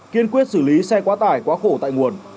kiên quyết xử lý xe quá tải quá khổ tại nguồn